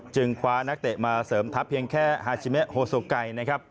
จึงคว้านักเตะมาเสริมทัพเพียงแค่ฮาชิเมฆโฮซูไก